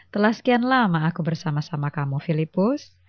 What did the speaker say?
telah sekian lama aku bersama sama kamu filipus